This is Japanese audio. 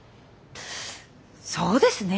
そうですね。